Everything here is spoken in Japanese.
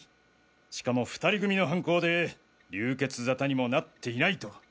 しかも２人組の犯行で流血沙汰にもなっていないと。